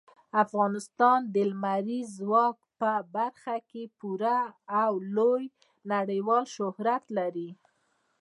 افغانستان د لمریز ځواک په برخه کې پوره او لوی نړیوال شهرت لري.